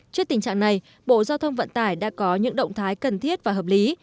trước tình trạng này bộ giao thông vận tải đã có những động thái cần thiết và hợp lý